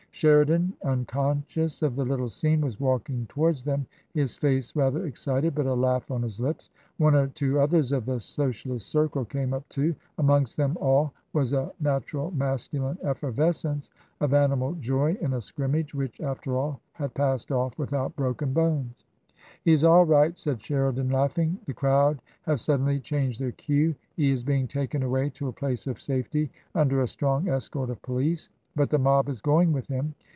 Sheridan, unconscious of the little scene, was walking towards them, his face rather excited, but a laugh on his lips. One or two others of the Socialist circle came up too. Amongst them all was a natural masculine effer vescence of animal joy in a scrimmage which, after all, had passed off without broken bones. " He's all right," said Sheridan, laughing. " The crowd have suddenly changed their cue. He is being taken away to a place of safety under a strong escort of police. But the mob is going with him.